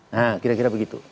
nah kira kira begitu